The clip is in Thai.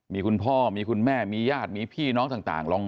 มีคุณพ่อมีคุณแม่มีญาติมีพี่น้องต่างลอง